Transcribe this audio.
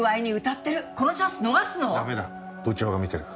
部長が見てる。